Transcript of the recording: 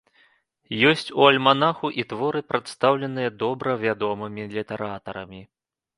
Ёсць у альманаху і творы, прадстаўленыя добра вядомымі літаратарамі.